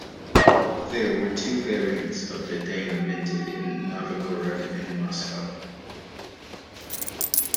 There were two variants of the denga minted in Novgorod and Moscow.